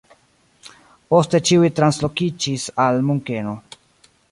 Poste ĉiuj translokiĝis al Munkeno.